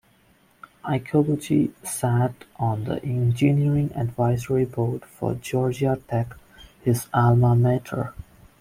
Iacobucci sat on the engineering advisory board for Georgia Tech, his alma mater.